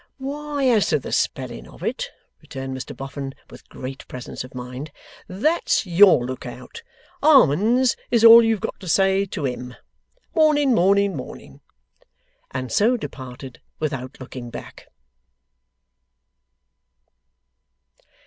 'Why, as to the spelling of it,' returned Mr Boffin, with great presence of mind, 'that's YOUR look out. Harmon's is all you've got to say to HIM. Morning, morning, morning!' And so departed, without looking back.